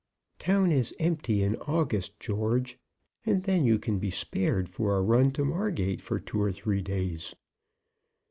"Town is empty in August, George, and then you can be spared for a run to Margate for two or three days."